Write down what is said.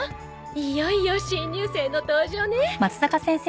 いよいよ新入生の登場ね。